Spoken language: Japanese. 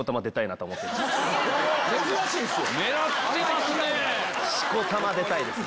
珍しいですよ。